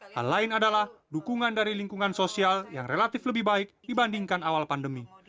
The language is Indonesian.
hal lain adalah dukungan dari lingkungan sosial yang relatif lebih baik dibandingkan awal pandemi